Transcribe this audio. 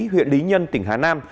huyện lý nhân tỉnh hà nam